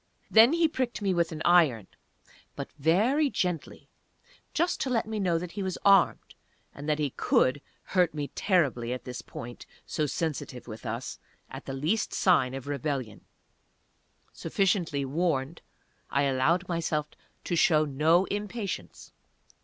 Then he pricked me with an iron but very gently just to let me know that he was armed, and that he could hurt me terribly at this point, so sensitive with us, at the least sign of rebellion. Sufficiently warned, I allowed myself to show no impatience.